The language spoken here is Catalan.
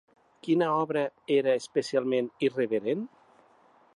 Quina obra era especialment irreverent?